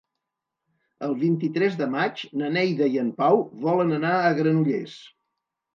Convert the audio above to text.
El vint-i-tres de maig na Neida i en Pau volen anar a Granollers.